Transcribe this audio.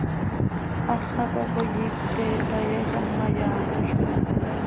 Háxaca coi iicp pte tayaaixam ma, yaatolca.